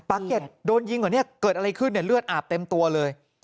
เก็ตโดนยิงเหรอเนี่ยเกิดอะไรขึ้นเนี่ยเลือดอาบเต็มตัวเลย